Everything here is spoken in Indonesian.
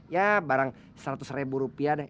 ya barang seratus ribu rupiah